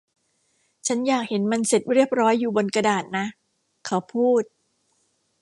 ฉันอยากเห็นมันเสร็จเรียบร้อยอยู่บนกระดาษนะ เขาพูด